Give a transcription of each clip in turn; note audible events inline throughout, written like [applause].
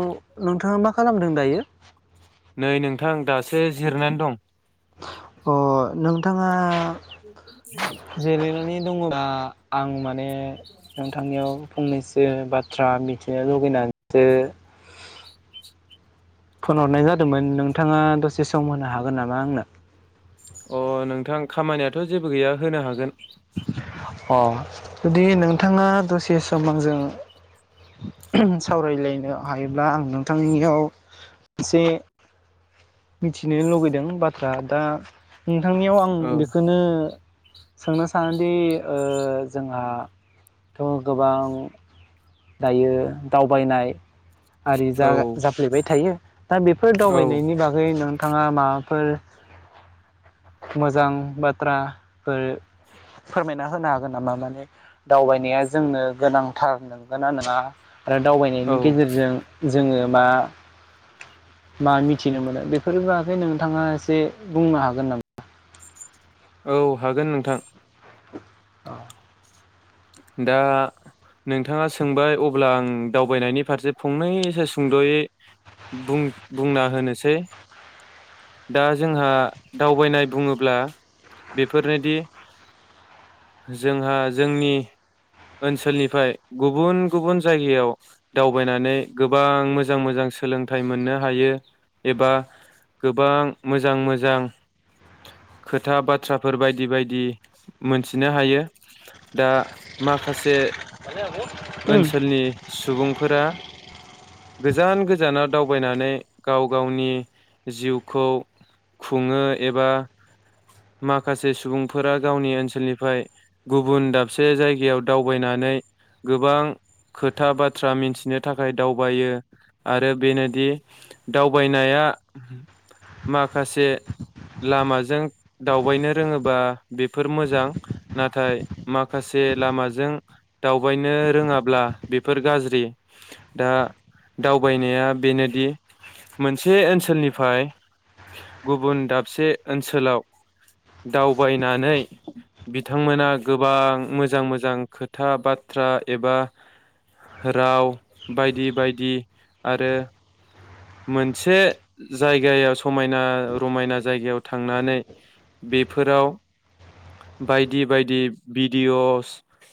औ नोंथाङा मा खालामदों दायो? सो जिरायनानै दं। अ नोंथाङा जेरायनानि दंङब्ला आं मा ने नोंथांनियाव फंनैसो बे बाथ्रा मिथिनो लुगैनानैसो फन हरनाय जादोंमोन नोंथाङा दसे सम होनो हागोन नामा आंनो? अ नोंथां खामानियाथ' जेबो गैया होनो हागोन। अ जुदि नोंथाङा दसे सम आंजों सावरायलायनो हायोब्ला आं नोंथांनियाव एसे मिथिनो लुबैदों बाथ्रा दा नोंथांनियाव आं औ बेखौनो सोंनो सानोदि ओ जोंहाथ' गोबां दायो दावबायनाय आरि जा औ जाफ्लेबाय थायो। दा बेफोर औ दावबायनायनि बागै नों थांङा माबाफोर मोजां बाथ्राफोर फोरमायना होनो हागोन नामा माने दावबायनाया जोंनो गोनांथार नंगोना नङा? आरो दावबायनायनि औ गेजेरजों जोङो मा मा मिथिनो मोनो बेफोरनि बागै नोंथाङा एसे बुंनो हागोन नामा? औ हागोन नोंथां। अ दा नोंथांङा सोंबाय अब्ला आं दावबायनायनि फारसे फंनैसो सुंद'यै बुं बुंना होनोसै दा जोंहा दावबायनाय बुंङोब्ला बेफोरनोदि जोंहा जोंनि ओनसोलनिफ्राय गुबुन गुबुन जायगायाव दावबायनानै गोबां मोजां मोजां सोलोंथाइ मोननो हायो एबा गोबां मोजां मोजां खोथा बाथ्राफोर बायदि बायदि मोनथिनो हायो दा माखासे ओनसोलनि सुबुंफोरा गोजान गोजानाव दावबायनानै गाव गावनि जिउखौ खुङो एबा माखासे सुबुंफोरा गावनि ओनसोलनिफ्राय गुबुन दाब से जायगायाव दावबायनानै गोबां खोथा बाथ्रा मिन्थिनो थाखाय दावबायो आरो बेनोदि दावबायनाया माखासे लामाजों दावबायनो रोङोबा बेफोर मोजां नाथाय माखासे लामाजों दावबायनो रोङाब्ला बेफोर गाज्रि दा दावबायनाया बेनोदि मोनसे ओनसोलनिफ्राय गुबुन दाबसे ओनसोलाव दावबायनानै बिथांमोना गोबां मोजां मोजां खोथा बाथ्रा एबा राव बायदि बायदि आरो मोनसे जायगायाव समायना रमायना जायगायाव थांनानै बेफोराव बायदि बायदि भिडिय'स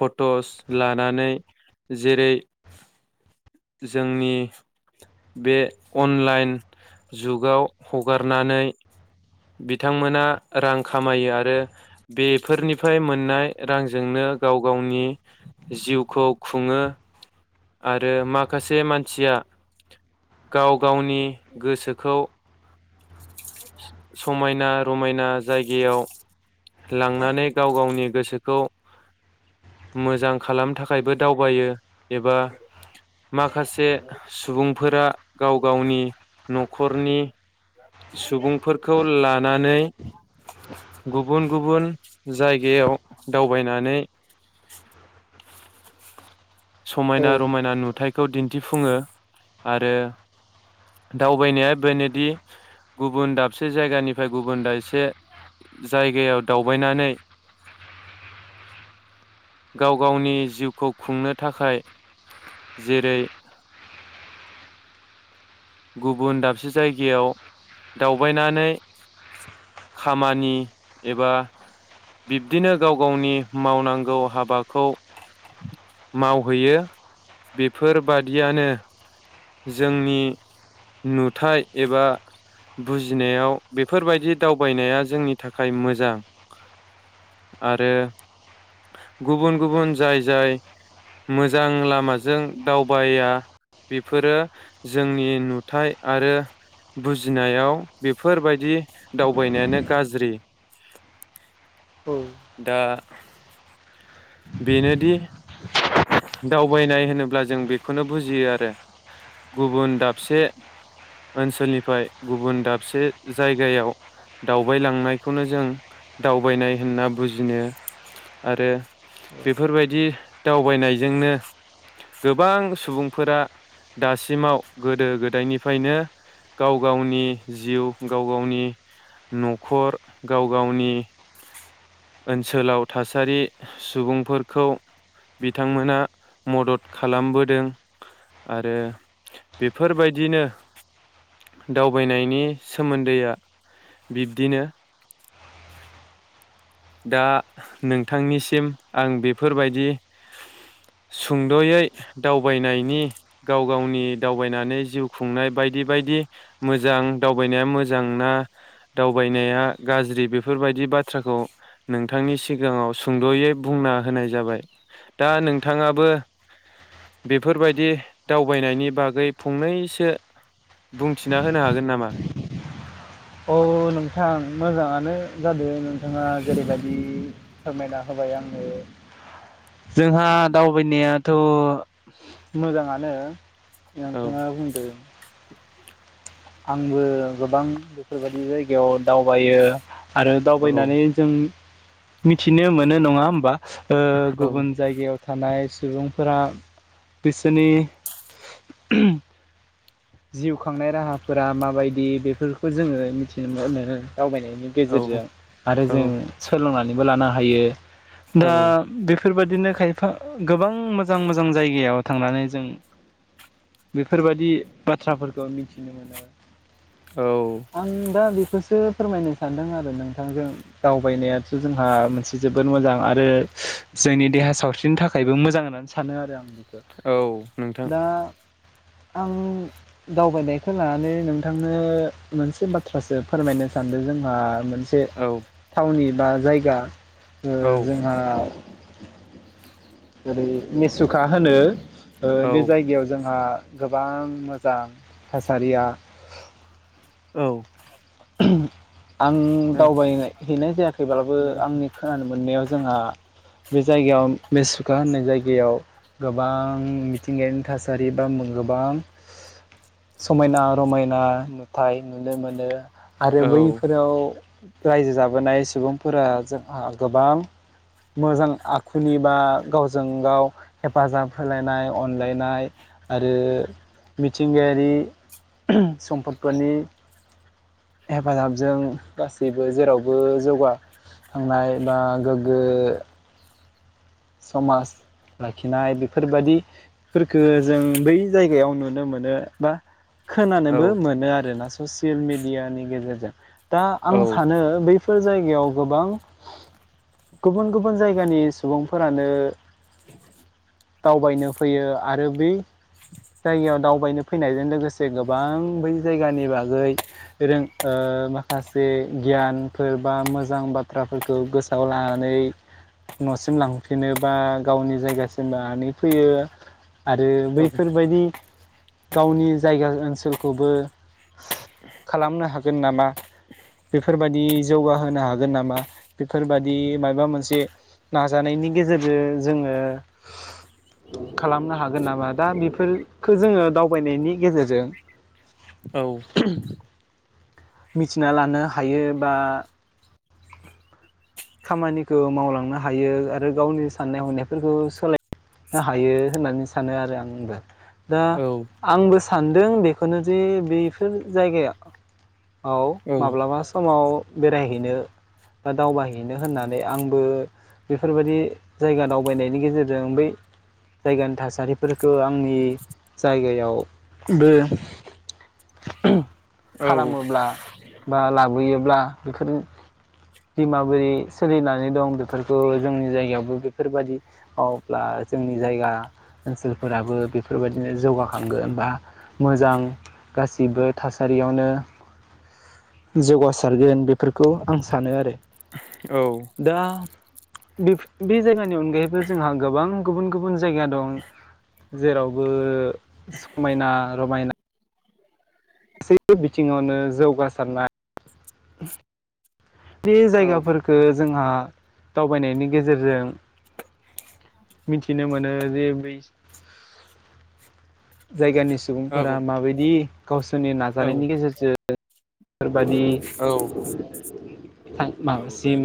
फट'स लानानै जेरै जोंनि बे अनलाइन जुगाव हगारनानै बिथांमोना रां खामायो आरो बेफोरनिफ्राय मोननाय रांजोंनो गाव गावनि जिउखौ खुङो आरो माखासे मानसिया गाव गावनि गोसोखौ समायना रमायना जायगायाव लांनानै गाव गावनि गोसोखौ मोजां खालामनो थाखायबो दावबायो एबा माखासे सुबुंफोरा गाव गावनि न'खरनि सुबुंफोरखौ लानानै गुबुन गुबुन जायगायाव दावबायनानै औ समायना रमायना नुथाय खौ दिन्थिफुंङो आरो दावबायनाया बेनोदि गुबुन दाबसे जायगानिफ्राय गुबुन दाबसे जायगायाव दावबायनानै गाव गावनि जिउखौ खुंनो थाखाय जेरै गुबुन दाबसे जायगायाव दावबायनानै खामानि एबा बिब्दिनो गाव गावनि मावनांगौ हाबाखौ मावहैयो बेफोरबादियानो जोंनि नुथाय एबा बुजिनायाव बेफोरबायदि दावबायनाया जोंनि थाखाय मोजां आरो गुबुन गुबुन जाय जाय मोजां लामाजों दावबायाया बेफोरो जोंनि नु। नुथाय आरो बुजिनायाव बेफोरबायदि दावबायनायानो गाज्रि। औ दा। [inaudible] बेनोदि दावबायनाय होनोब्ला जों बेखौनो बुजियो आरो गुबुन दाबसे ओनसोलनिफ्राय गुबुन दाबसे जायगायाव दावबायलांनायखौनो जों दावबायनाय होनना बुजिनो आरो। बेफोरबायदि दावबायनायजोंनो गोबां सुबुंफोरा दासिमाव गोदो गोदायनिफ्रायनो गाव गावनि जिउ गाव गावनि न'खर गाव गावनि ओनसोलाव थासारि। सुबुंफोरखौ बिथांमोनहा मदद खालामबोदों आरो बेफोरबायदिनो दावबायनायनि सोमोन्दैआ बिब्दिनो। दा नोंथांनिसिम आं बेफोरबायदि सुंद'यै दावबायनायनि गाव गावनि दावबायनानै जिउ खुंनाय बायदि बायदि मोजां दावबायनाया मोजां ना दावबायनाया गाज्रि बेफोरबायदि बाथ्राखौ। नोंथांनि सिगाङाव सुंद'यै बुंना होनाय जाबाय दा नोंथाङाबो बेफोरबायदि दावबायनायनि बागै फंनैसो बुंथिना होनो हागोन नामा। औ नोंथां मोजाङानो जादों नों। नोंथाङा जेरैबायदि फोरमायना होबाय आंनो। जोंहा दावबायनाया। थ' मोजाङानो। औ नोथाङा बुंदो। आंबो गोबां बेफोरबायदि जायगायाव। दावबायो आरो औ दावबायनानै जों। मिथिनो मोनो नङा होमबा। ओ औ गुबुन जायगायाव थानाय। सुबुंफोरा बिसोरनि। जिउ खांनाय राहाफोरा माबायदि बेफोरखौ जोङो मिथिनो मोनो। दावबायनायनि औ गेजेरजों आरो जों औ सोलोंनानै। बो लानो हायो। औ दा बे। बेफोरबायदिनो खायफा गोबां मोजां मोजां जायगायाव थांनानै जों बेफोरबायादि। बाथ्राफोरखौ मिथिनो मोनो। औ आंबा बि। बेखौसो फोरमायनो सानदों आरो नोंथांजों दावबायनायाथ' जोंहा मोनसे जोबोद मोजां आरो जोंनि देहा सावस्रिनि थाखायबो मोजां होननानै सानो आरो आं। बेखौ औ नोंथां। दा आं। दावबायनायखौ लानानै नोंथांनो मोनसे बाथ्रासो फोरमायनो सानदों जोंहा। मोनसे औ थावनि। बा जायगा। ओ औ जोंहा। ओरै मेसुखा होनो। औ बे जायगायाव जोंहा। गोबां मो जां थासारिया औ [inaudible] आं दावबायनाय हैनाय जायाखैब्लाबो आंनि खोनानो मोननायाव जोंहा बे जायगायाव बे सुखा होननाय जायगायाव गोबां मिथिंगायानि थासारि बा गोबां समायना रमायना नुथाय नुनो मोनो। आरो बैफोराव रायजो जाबोनाय सुबुंफोरा जोंहा गोबां मोजां था खुनिबा गावजों गाव हेफाजाब होलायनाय अनलायनाय आरो मिथिंगायारि सम्पदफोरनि हेफाजाबजों गासैबो जेरावबो जौगाखांनाय बा गोग्गो समाज लाखिनाय बेफोरबादिफोरखो जों बै जायगायाव नुनो मोनो बा खोनानोबो मोनो आरोना ससियेल मिडियानि गेजेरजों दा आं सानो बेै बेफोर जायगायाव गोबां गुबुन गुबुन जायगानि सुबुं फोरानो [inaudible] दावबायनो फैयो आरो बै जायगायाव दावबायनो फैनायजों लोगोसे गोबां बै जायगानि बागै ओ माखासे गियानफोर बा मोजां बाथ्राफोरखौ गोसोआव लानानै न'सिम लां फिनोबा गावनि जायगासिम लानानै फैयो। आरो बैफोरबायदि गावनि जायगा ओनसोलखौबो खालामनो हागोन नामा बेफोरबादि जौगाहोनो हागोन नामा बेफोरबायदि माबा मोनसे नाजानायनि गेजेरजों जोङो खालामनो हागोन नामा दा बेफोरफोरखो जोङो दावबायनायनि गेजेरजों औ मिथिना लानो हायो बा खामानिखौ मावलांनो हायो आरो गावनि साननाय हनायफोरखौ सोलायनो हायो होननानै सानो आरो आंबो दा आंबो सानदों बेखौनो जे बेफोर जायगायाव माब्लाबा समाव बेरायहैनो बा दावबायहैनो होननानै आंबो बेफोरबादि जायगा दावबायनायनि गेजेरजों बै जायगानि थासारिफोरखौ आंनि जायगायाव बो खालामोब्ला बा लाबोयोब्ला बेफोर बे माबोरै सोलिनानै दं बेफोरखौ जोंनि जायगायावबो बेफोरबायदि मावब्ला जोंनि जायगा ओनसोलफोराबो बेफोरबायदिनो जौगाखांगोन बा मोजां गासिबो थासारियावनो जौगासारगोन बेफोरखौ आंस सानो आरो दा बेफ बे जायगानि अनगायैबो जोंहा गोबां गुबुन गुबुन जायगा दं जेरावबो समायना रमायना गासैबो बिथिङावनो जौगासारनाय बे जायगाफोरखो जोंहा दावबायनायनि गेजेरजों मिनथिनो मोनो जे बै जायगानि सुबुंफोरा माबायदि गावसोरनि नाजानायनि गेजेरजों बेफोरबादि थां माबासिम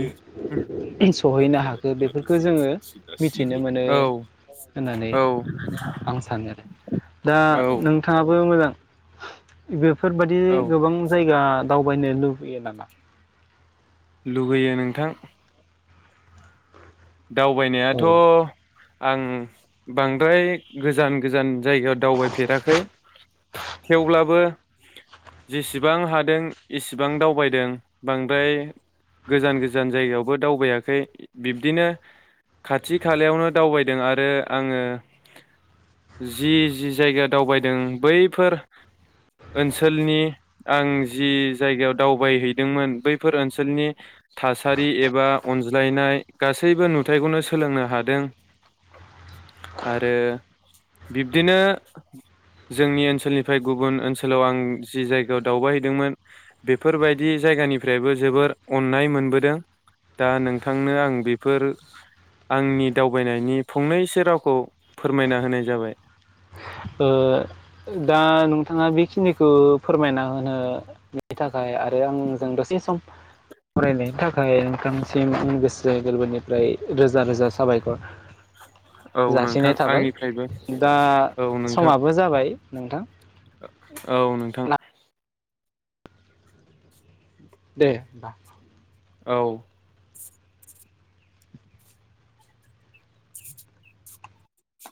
सहैनो हाखो बेफोरखो जोङो मिथिनो मोनो। होननानै औ आं सानो आरो दा औ नोंथाङाबो मोजां बेफोरबादि औ गोबां जायगा दावबायनो लुबैयो नामा? लुगैयो नोंथां औ दावबायनायाथ आं बांद्राय गोजान गोजान जायगायाव दावबायफेराखै थेवब्लाबो जेसेबां हादों इसिबां दावबायदों बांद्राय गोजान गोजान जायगायावबो दावबायाखै बिब्दिनो खाथि खालायावनो दावबायदों आरो आंङो जि जि जायगायाव दावबायदों बैफोर ओनसोलनि आं जि जायगायाव दावबायहैदोंमोन बैफोर ओनसोलनि थासारि एबा अनज्लायनाय गासै गासैबो नुथायाइखौनो सोलोंनो हादों आरो बिब्दिनो जोंनि ओनसोलनिफ्राय गुबुन ओनसोलाव आं जि जायगायाव दावबायहैदोंमोन बेफोरबायदि जायगानिफ्रायबो जोबोर अननाय मोनबोदों दा नोंथांनो आं बे बेफोर आंनि दावबायनायनि फंनैसो रावखौ फोरमायना होनाय जाबाय ओ दा नोंथाङा बेखिनिखो फोरमायना होनो बिनि थाखाय आरो आंजों दसे सम फरायनायनि थाखाय नोंथांसिमनि गोसो गोरबोनिफ्राय रोजा रोजा साबायखर। औ नोंथां जासिनाय थाबाय आंनिफ्रायबो दा औ नोंथां समाबो जाबाय नोंथां औ नोंथां दे होमबा औ [inaudible]